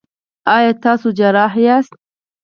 ایا تاسو جراح یاست؟